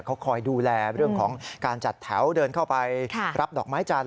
เขาคอยดูแลเรื่องของการจัดแถวเดินเข้าไปรับดอกไม้จันท